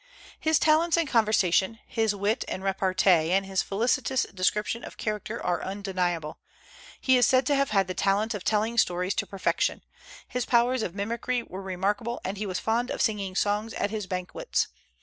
His talents and conversation, his wit and repartee, and his felicitous description of character are undeniable. He is said to have had the talent of telling stories to perfection. His powers of mimicry were remarkable, and he was fond of singing songs at his banquets.